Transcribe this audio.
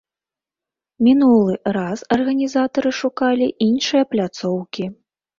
Мінулы раз арганізатары шукалі іншыя пляцоўкі.